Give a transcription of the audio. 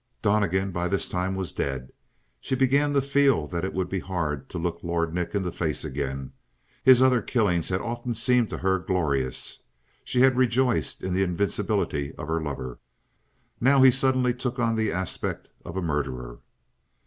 Donnegan, by this time, was dead. She began to feel that it would be hard to look Lord Nick in the face again. His other killings had often seemed to her glorious. She had rejoiced in the invincibility of her lover. Now he suddenly took on the aspect of a murderer.